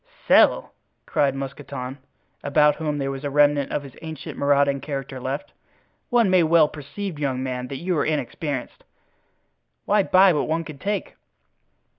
"Sell!" cried Mousqueton, about whom there was a remnant of his ancient marauding character left. "One may well perceive, young man, that you are inexperienced. Why buy what one can take?"